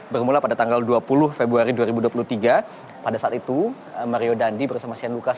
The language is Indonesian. bermula pada tanggal dua puluh februari dua ribu dua puluh tiga pada saat itu mario dandi bersama shane lucas